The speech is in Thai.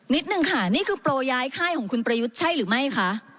นิดนึงค่ะนี่คือโปรย้ายค่ายของคุณประยุทธ์ใช่หรือไม่คะ